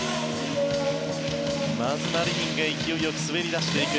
まず、マリニンが勢いよく滑り出していく。